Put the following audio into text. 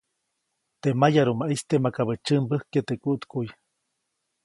Teʼ mayarumaʼiste makabäʼ tsyämbäjkye teʼ kuʼtkuʼy.